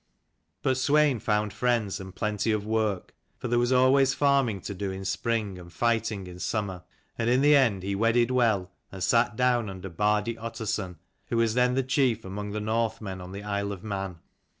But Swein found friends and plenty of work ; for there was always farming to do in spring and fighting in summer ; and in the end he wedded well, and sat down under Bardi Ottarson, who was then the chief among the Northmen in the Isle of Man.